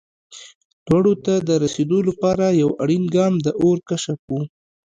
لوړو ته د رسېدو لپاره یو اړین ګام د اور کشف و.